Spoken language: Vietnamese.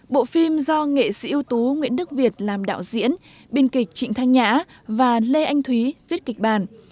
bộ phim do nghệ sĩ ưu tú nguyễn đức việt làm đạo diễn biên kịch trịnh thanh nhã và lê anh thúy viết kịch bản